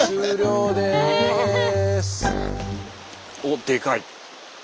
おっでかい。